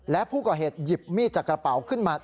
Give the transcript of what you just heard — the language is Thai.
และผู้ก่อเหตุหยิบมีดจากกระเป๋าขึ้นมา